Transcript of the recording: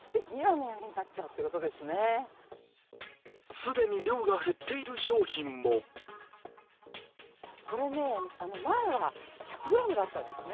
既に量が減っている商品もこれね、前は１００ｇだったんですね。